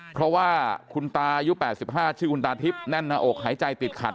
เพราะว่าคุณตาอายุ๘๕ชื่อคุณตาทิพย์แน่นหน้าอกหายใจติดขัด